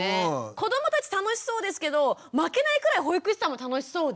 子どもたち楽しそうですけど負けないくらい保育士さんも楽しそうで。